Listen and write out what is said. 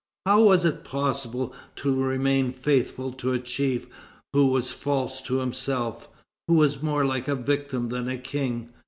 How was it possible to remain faithful to a chief who was false to himself, who was more like a victim than a king?